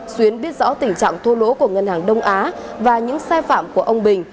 xuyến biết rõ tình trạng thua lỗ của ngân hàng đông á và những sai phạm của ông bình